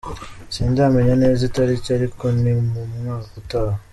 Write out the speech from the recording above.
Sindamenya neza itariki ariko ni mu mwaka utaha.